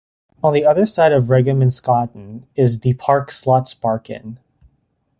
On the other side of Regementsgatan is the park, Slottsparken.